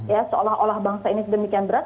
ya seolah olah bangsa ini sedemikian berat